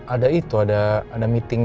ada itu ada meeting